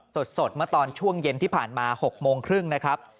สดเมื่อตอนช่วงเย็นที่ผ่านมา๖โมงครึ่งนะครับ